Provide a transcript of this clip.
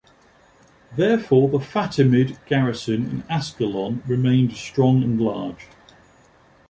Therefore, the Fatimid garrison in Ascalon remained strong and large.